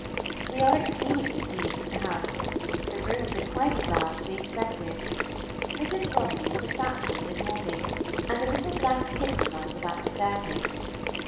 We are exceedingly pleased with the house; the rooms are quite as large as we expected. Mrs. Bromley is a fat woman in mourning, and a little black kitten runs about the staircase.